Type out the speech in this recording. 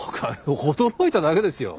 驚いただけですよ。